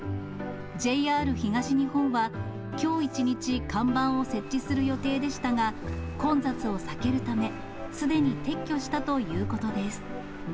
ＪＲ東日本は、きょう一日、看板を設置する予定でしたが、混雑を避けるため、すでに撤去したということです。